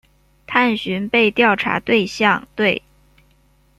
探寻被调查对象对。